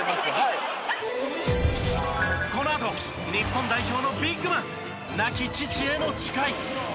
このあと日本代表のビッグマン亡き父への誓い。